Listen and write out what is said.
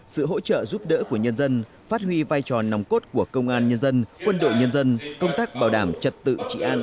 sự hỗ trợ giúp đỡ của nhân dân phát huy vai trò nòng cốt của công an nhân dân quân đội nhân dân công tác bảo đảm trật tự trị an